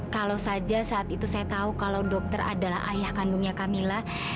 kalau saja saat itu saya tahu kalau dokter adalah ayah kandungnya camilla